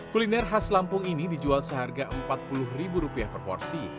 kuliner khas lampung ini dijual seharga rp empat puluh per porsi